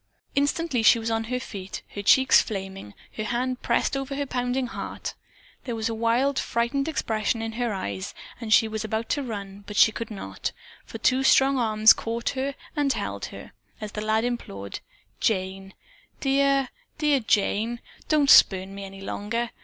Instantly she was on her feet, her cheeks flaming, her hand pressed over her pounding heart. There was a wild, frightened expression in her eyes and she was about to run, but she could not, for two strong arms caught and held her, as the lad implored, "Jane, dear, dear Jane, don't spurn me any longer.